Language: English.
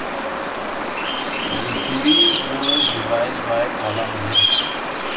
The series was devised by Paula Milne.